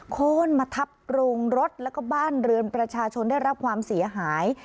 โค้นมาทับโรงรถแล้วก็บ้านเรือนประชาชนได้รับความเสียหาย